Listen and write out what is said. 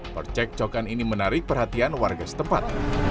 percek cokan ini menarik perhatian warga setempat